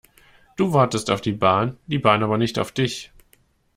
Du wartest auf die Bahn, die Bahn aber nicht auf dich.